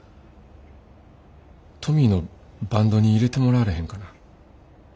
トミーのバンドに入れてもらわれへんかな。